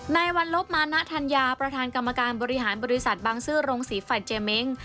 ในวันลบมานะธัญญาประธานกรรมการบริหารบริษัทบางซื่อโรงศรีฟันเจเม้ง